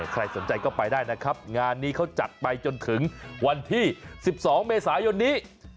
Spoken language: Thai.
ใครสนใจก็ไปได้นะครับงานนี้เขาจัดไปจนถึงวันที่๑๒เมษายนนี้